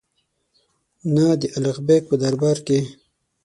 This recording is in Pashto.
نه د الغ بېګ په دربار کې.